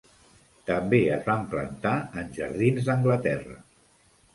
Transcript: També es van plantar en jardins d'Anglaterra.